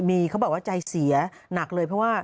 มีเขาบอกว่าใจเสียหนักเลยเพราะว่า